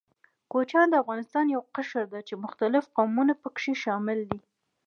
کوچيان د افغانستان يو قشر ده، چې مختلف قومونه پکښې شامل دي.